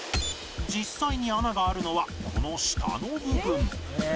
実際に穴があるのはこの下の部分